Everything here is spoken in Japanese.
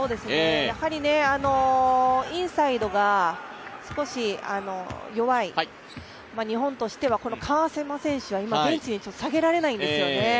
やはりインサイドが少し弱い日本としては川島選手は今、ベンチに下げれないんですよね。